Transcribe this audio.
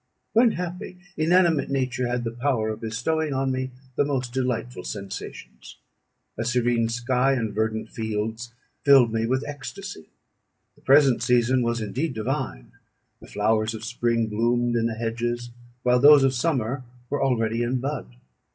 When happy, inanimate nature had the power of bestowing on me the most delightful sensations. A serene sky and verdant fields filled me with ecstasy. The present season was indeed divine; the flowers of spring bloomed in the hedges, while those of summer were already in bud.